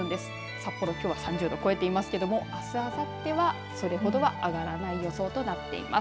札幌、きょうは３０度を超えていますがあす、あさってはそれほどは上がらない予想となっています。